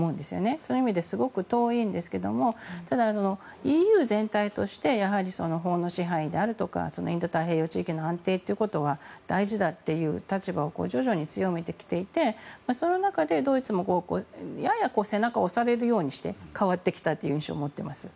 その意味ですごく遠いんですけどもただ、ＥＵ全体として法の支配であるとかインド太平洋地域の安定ということは大事だという立場を徐々に強めてきていてその中で、ドイツもやや背中を押されるようにして変わってきたという印象があります。